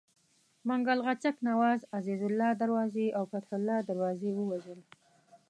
منګل غچک نواز، عزیزالله دروازي او فتح الله دروازي ووژل.